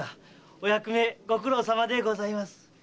お役目ご苦労さまでございます。